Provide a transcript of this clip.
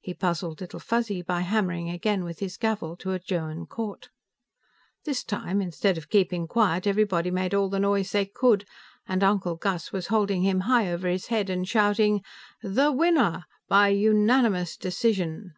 He puzzled Little Fuzzy by hammering again with his gavel to adjourn court. This time, instead of keeping quiet, everybody made all the noise they could, and Uncle Gus was holding him high over his head and shouting: "The winnah! By unanimous decision!"